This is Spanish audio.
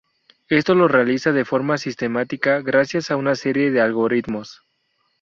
Esto lo realiza de forma sistemática gracias a una serie de algoritmos.